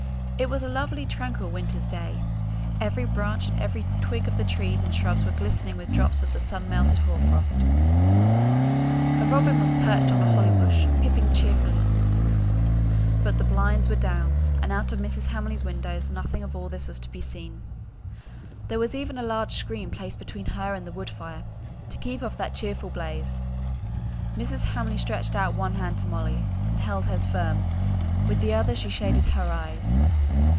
It was a lovely tranquil winter's day; every branch and every twig on the trees and shrubs was glittering with drops of the sun melted hoar frost; a robin was perched on a holly bush, piping cheerily; but the blinds were down, and out of Mrs. Hamley's windows nothing of all this was to be seen. There was even a large screen placed between her and the wood fire, to keep off that cheerful blaze. Mrs. Hamley stretched out one hand to Molly, and held hers firm; with the other she shaded her eyes.